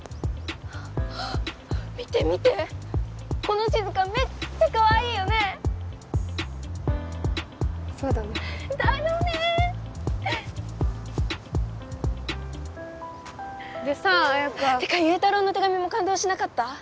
見て見てこの静香めっちゃかわいいよねそうだねだよねでさ彩花祐太郎の手紙も感動しなかった？